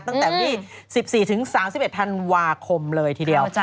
ตั้งแต่วันที่๑๔ถึง๓๑ธันวาคมเลยทีเดียว